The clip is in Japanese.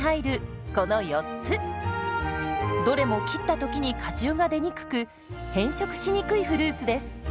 どれも切った時に果汁が出にくく変色しにくいフルーツです。